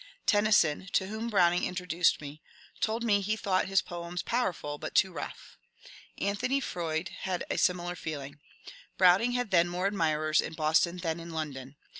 Tennyson, to whom Browning introduced me, told me he thought his poems powerful but too ^* rough.'* Anthony Froude had a similar feeling. Browning had then more admirers in Boston than in London.